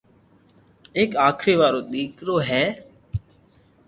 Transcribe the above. ايڪ آخري وارو ديڪرو ھي